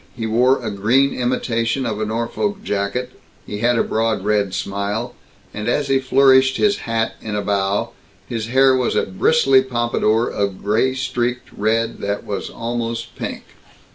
He wore a green imitation of a Norfolk jacket, he had a broad red smile, and as he flourished his hat in a bow, his hair was a bristly pompadour of gray streaked red that was almost pink.